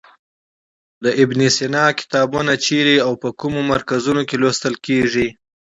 د ابن سینا کتابونه چیرې او په کومو مرکزونو کې لوستل کیږي.